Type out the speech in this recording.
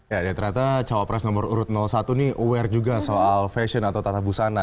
ya ternyata cawapres nomor urut satu ini aware juga soal fashion atau tata busana